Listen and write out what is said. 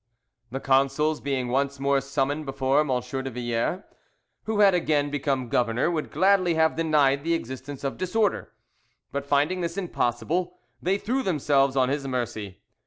The consuls being once more summoned before M. de Villars, who had again become governor, would gladly have denied the existence of disorder; but finding this impossible, they threw themselves on his mercy.